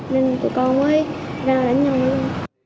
nên tụi con mới ra đánh nhau luôn